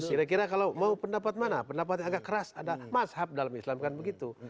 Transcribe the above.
kira kira kalau mau pendapat mana pendapat yang agak keras ada mazhab dalam islam kan begitu